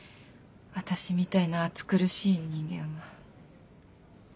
私みたいな暑苦しい人間は。